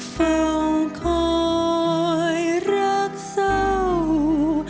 เฝ้าคอยรักเศร้า